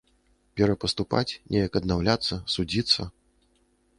Перапаступаць, неяк аднаўляцца, судзіцца?